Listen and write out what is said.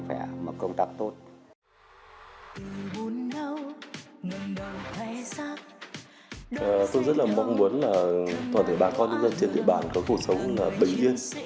vô nhiệm cũng xong